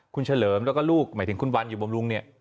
คุณเฉลิมแล้วก็ลูกหมายถึงคุณวันอยู่บำรุงเนี่ย